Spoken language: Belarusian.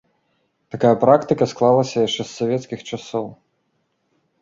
Такая практыка склалася яшчэ з савецкіх часоў.